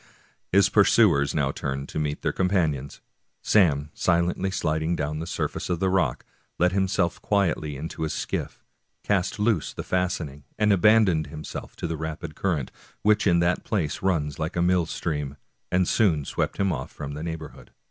His pursuers now turned to meet their companions. Sam, sliding silently down the surface of the rock, let himself quietly into his skiff, cast loose the fastening, and abandoned himself to the rapid current, which in that place runs like a mill stream, and soon swept him off from the neighborhood.